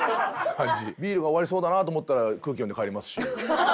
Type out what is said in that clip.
ビールが終わりそうだなと思ったら空気読んで帰りますし。